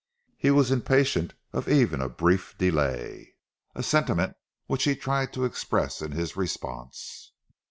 He was impatient of even a brief delay, a sentiment which he tried to express in his response.